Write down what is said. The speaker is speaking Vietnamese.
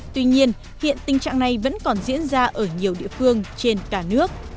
tuy nhiên hiện tình trạng này vẫn còn diễn ra ở nhiều địa phương trên cả nước